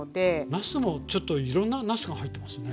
なすもちょっといろんななすが入ってますね。